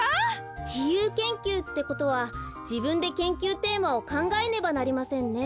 じゆう研究ってことはじぶんで研究テーマをかんがえねばなりませんね。